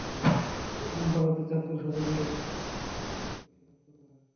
সোমবার রাতে চাঁদপুর সদরের তরপুর চণ্ডী এলাকা থেকে পুলিশ তাঁকে গ্রেপ্তার করে।